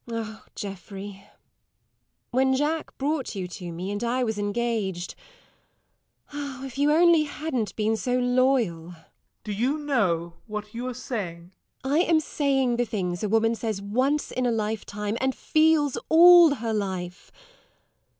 Oh, Geoffrey, when Jack brought you to me, and I was engaged if you only hadn't been so loyal! SIR GEOFFREY. [Grimly.] Do you know what you are saying? LADY TORMINSTER. I am saying the things a woman says once in a lifetime, and feels all her life.